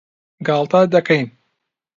گاڵتە دەکەین.